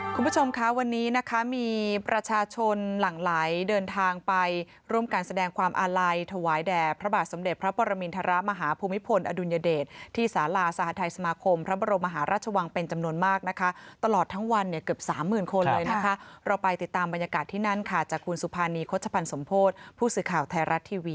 คุณผู้ชมคะวันนี้นะคะมีประชาชนหลั่งไหลเดินทางไปร่วมการแสดงความอาลัยถวายแด่พระบาทสมเด็จพระปรมินทรมาฮภูมิพลอดุลยเดชที่สาลาสหทัยสมาคมพระบรมมหาราชวังเป็นจำนวนมากนะคะตลอดทั้งวันเนี่ยเกือบสามหมื่นคนเลยนะคะเราไปติดตามบรรยากาศที่นั่นค่ะจากคุณสุภานีโฆษภัณฑ์สมโพธิ์ผู้สื่อข่าวไทยรัฐทีวี